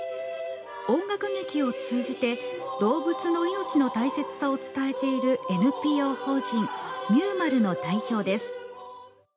音楽劇を通じて動物の命の大切さを伝えているＮＰＯ法人みゅーまるの代表です。